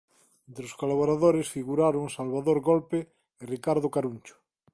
Entre os colaboradores figuraron Salvador Golpe e Ricardo Caruncho.